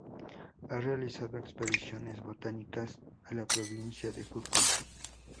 Ha realizado expediciones botánicas a la provincia de Jujuy.